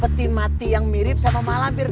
peti mati yang mirip sama malam bir